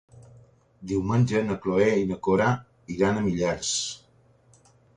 Diumenge na Cloè i na Cora iran a Millars.